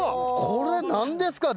これ何ですか？